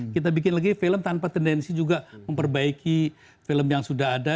kita bikin lagi film tanpa tendensi juga memperbaiki film yang sudah ada